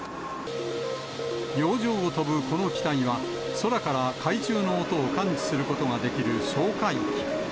洋上を飛ぶこの機体は、空から海中の音を感知することができる哨戒機。